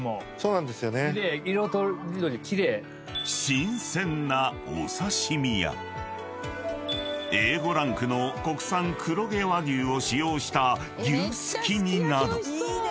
［新鮮なお刺し身やＡ５ランクの国産黒毛和牛を使用した牛すき煮など］